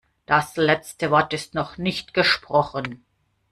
Das letzte Wort ist noch nicht gesprochen.